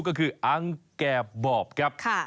ก็คืออังแก่บอบครับ